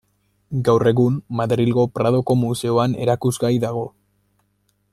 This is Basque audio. Gaur egun, Madrilgo Pradoko Museoan erakusgai dago.